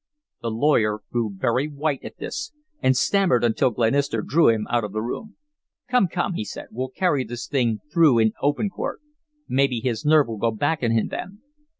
The lawyer grew very white at this and stammered until Glenister drew him out of the room. "Come, come," he said, "we'll carry this thing through in open court. Maybe his nerve will go back on him then.